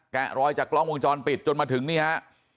แกะรอยจากกล้องวงจรปิดจนมาถึงนี่ฮะ